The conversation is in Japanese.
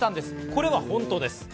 これは本当です。